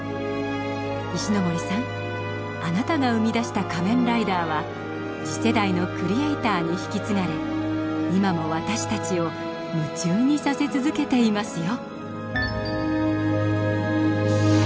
石森さんあなたが生み出した「仮面ライダー」は次世代のクリエイターに引き継がれ今も私たちを夢中にさせ続けていますよ。